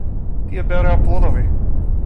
Тие береа плодови.